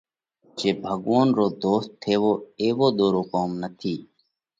جي ڀڳوونَ رو ڌوست ٿيوو ايوو ۮورو ڪوم نٿِي۔